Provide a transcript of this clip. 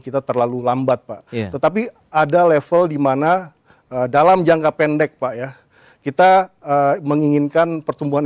kita terlalu lambat pak tetapi ada level dimana dalam jangka pendek pak ya kita menginginkan pertumbuhan